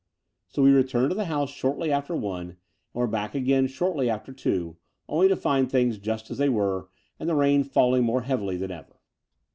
So we returned to the house shortly after one and were back again soon after two, only to find things just as they were, and the rain falling more heavily than ever.